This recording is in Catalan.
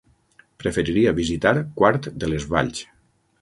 Preferiria visitar Quart de les Valls.